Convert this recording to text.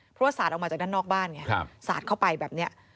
เพราะว่าสาดออกมาจากด้านนอกบ้านไงสาดเข้าไปแบบนี้